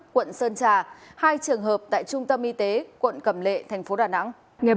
quận sơn trà hai trường hợp tại trung tâm y tế quận cầm lệ thành phố đà nẵng